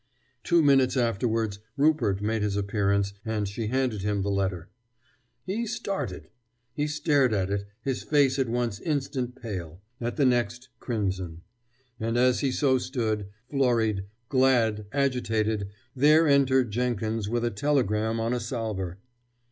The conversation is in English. Two minutes afterwards Rupert made his appearance, and she handed him the letter. He started! He stared at it, his face at one instant pale, at the next crimson. And as he so stood, flurried, glad, agitated, there entered Jenkins with a telegram on a salver.